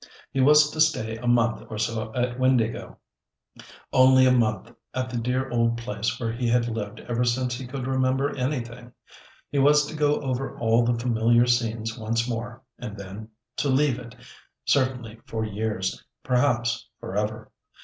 He was to stay a month or so at Windāhgil—only a month at the dear old place where he had lived ever since he could remember anything; he was to go over all the familiar scenes once more, and then—to leave it, certainly for years, perhaps for ever.